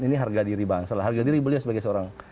ini harga diri bangsa lah harga diri beliau sebagai seorang